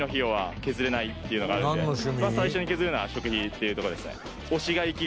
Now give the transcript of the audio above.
最初に削るなら食費っていうとこですね。